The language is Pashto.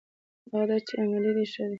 هغه درس چې عملي دی ښه دی.